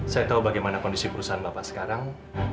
saya tahu bagaimana kondisi perusahaan bapak sekarang